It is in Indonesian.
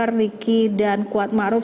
ricky dan kuat ma'ruf